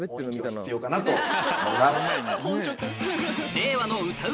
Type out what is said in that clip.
令和の歌う